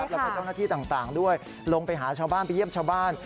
แล้วก็เจ้าหน้าที่ต่างด้วยลงไปหาชาวบ้านไปเยี่ยมชาวบ้าน